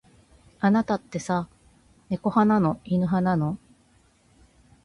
あなたってさ、猫派なの。犬派なの。